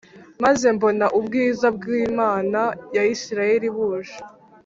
Maze mbona ubwiza bw Imana ya Isirayeli buje